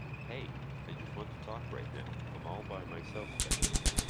Hey, I just want to talk right now, I'm all by myself then.